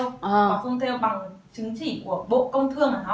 và phương theo bằng chứng chỉ của bộ công thương ở đó